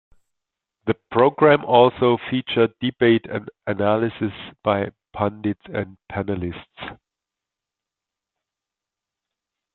The program also featured debate and analysis by pundits and panelists.